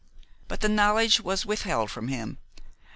But the knowledge was withheld from him.